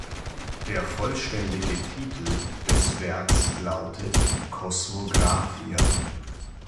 Der vollständige Titel des Werks lautet: "Cosmographia.